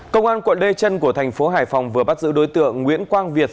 công an quận lê trân của thành phố hải phòng vừa bắt giữ đối tượng nguyễn quang việt